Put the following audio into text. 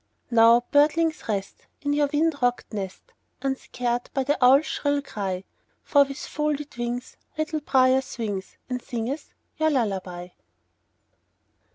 Now, birdlings, rest, In your wind rocked nest, Unscared by the owl's shrill cry; For with folded wings Little Brier swings, And singeth your lullaby.